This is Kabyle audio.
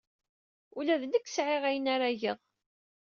Ula d nekk sɛiɣ ayen ara geɣ.